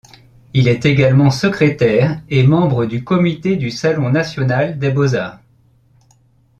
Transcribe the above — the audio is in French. Il est également secrétaire et membre du Comité du Salon National des Beaux-Arts.